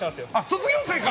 卒業生か。